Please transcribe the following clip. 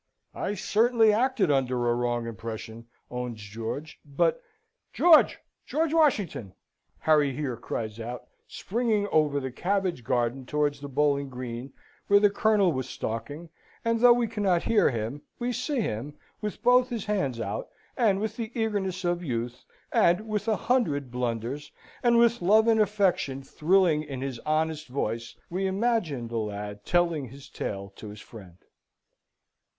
"I certainly acted under a wrong impression," owns George, "but " "George! George Washington!" Harry here cries out, springing over the cabbage garden towards the bowling green, where the Colonel was stalking, and though we cannot hear him, we see him, with both his hands out, and with the eagerness of youth, and with a hundred blunders, and with love and affection thrilling in his honest voice we imagine the lad telling his tale to his friend.